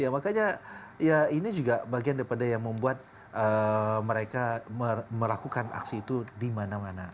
makanya ya ini juga bagian daripada yang membuat mereka melakukan aksi itu di mana mana